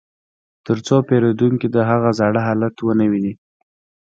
ترڅو پیرودونکي د هغه زاړه حالت ونه ویني